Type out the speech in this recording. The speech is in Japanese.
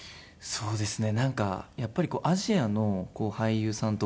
そうですね。